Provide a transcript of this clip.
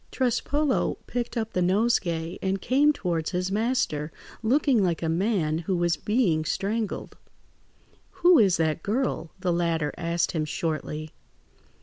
Trespolo picked up the nosegay and came towards his master, looking like a man who was being strangled. "Who is that girl?" the latter asked him shortly.